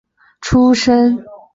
出生于河南光山。